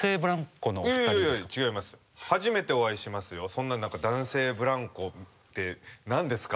そんな何か男性ブランコって何ですか？